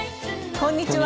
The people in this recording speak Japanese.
こんにちは。